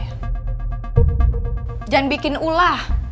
jangan bikin ulah